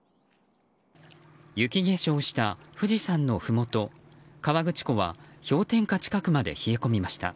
雪化粧した富士山のふもと河口湖は氷点下近くまで冷え込みました。